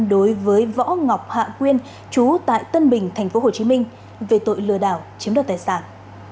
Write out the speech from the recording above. đối với võ ngọc hạ quyên chú tại tân bình tp hcm về tội lừa đảo chiếm đoạt tài sản